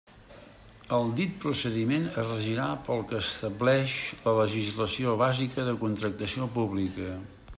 El dit procediment es regirà pel que establix la legislació bàsica de contractació pública.